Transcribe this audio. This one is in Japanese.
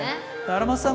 荒俣さん